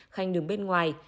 khanh đứng bên ngoài